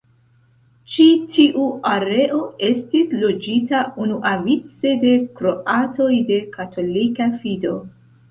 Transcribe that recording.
Ĉi-tiu areo estis loĝita unuavice de kroatoj de katolika fido.